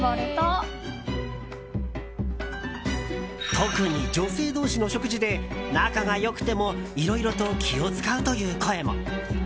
特に女性同士の食事で仲が良くてもいろいろと気を使うという声も。